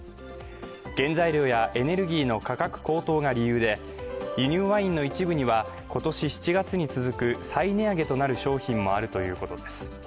原材料やエネルギーの価格高騰が理由で輸入ワインの一部には今年７月に続く再値上げとなる商品もあるということです。